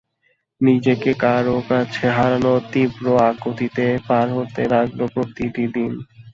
নিজেকে কারও কাছে হারানোর তীব্র আকুতিতে পার হতে লাগল প্রতিটি দিন।